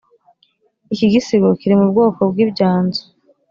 iki gisigo kiri mu bwoko bw' "ibyanzu.